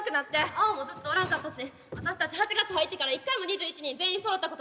アオもずっとおらんかったし私たち８月入ってから一回も２１人全員そろったことないんよ？